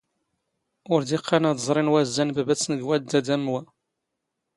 ⵓⵔ ⴷ ⵉⵇⵇⴰⵏ ⴰⴷ ⵥⵕⵉⵏ ⵡⴰⵣⵣⴰⵏⵏ ⴱⴰⴱⴰⵜⵙⵏ ⴳ ⵡⴷⴷⴰⴷ ⴰⵎ ⵡⴰ.